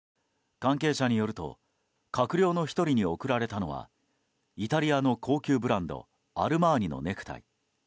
関係者によると閣僚の１人に贈られたのはイタリアの高級ブランドアルマーニのネクタイ。